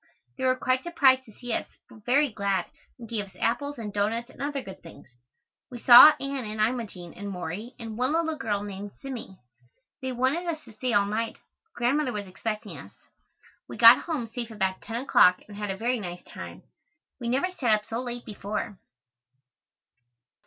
They were quite surprised to see us, but very glad and gave us apples and doughnuts and other good things. We saw Anne and Imogene and Morey and one little girl named Zimmie. They wanted us to stay all night, but Grandmother was expecting us. We got home safe about ten o'clock and had a very nice time. We never sat up so late before.